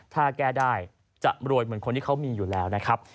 ถ้าแก้ได้จะรวยเหมือนคนที่เขามีอยู่แล้วนะครับ